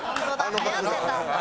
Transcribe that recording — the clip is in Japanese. はやってたんだ。